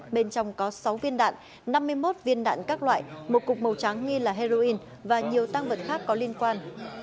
bên trong có sáu viên đạn năm mươi một viên đạn các loại một cục màu trắng nghi là heroin và nhiều tăng vật khác có liên quan